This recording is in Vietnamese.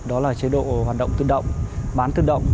đó là chế độ hoạt động tự động bán tự động